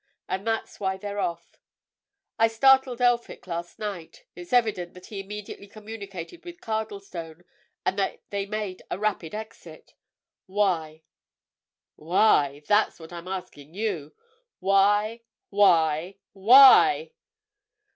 And that's why they're off. I startled Elphick last night. It's evident that he immediately communicated with Cardlestone, and that they made a rapid exit. Why?" "Why? That's what I'm asking you! Why? Why? Why?"